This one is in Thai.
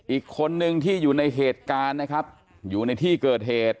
อีกคนนึงที่อยู่ในเหตุการณ์นะครับอยู่ในที่เกิดเหตุ